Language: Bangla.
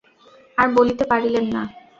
আর বলিতে পারিলেন না।